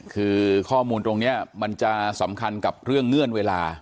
คือข้อมูลตรงนี้มันจะสำคัญกับเรื่องเงื่อนเวลา